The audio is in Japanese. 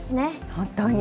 本当に。